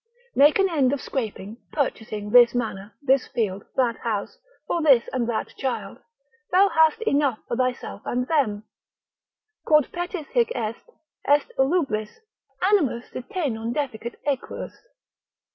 Make an end of scraping, purchasing this manor, this field, that house, for this and that child; thou hast enough for thyself and them: ———Quod petis hic est, Est Ulubris, animus si te non deficit aequus.